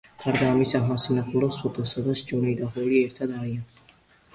გარდა ამისა, ჰანსი ნახულობს ფოტოს, სადაც ჯონი და ჰოლი ერთად არიან.